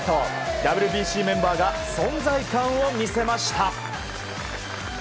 ＷＢＣメンバーが存在感を見せました。